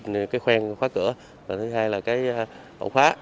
những khoen khóa cửa và thứ hai là ổ khóa